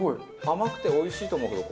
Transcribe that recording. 甘くておいしいと思うけど。